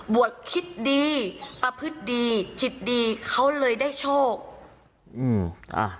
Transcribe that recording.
คิดดีประพฤติดีจิตดีเขาเลยได้โชคอืมอ่า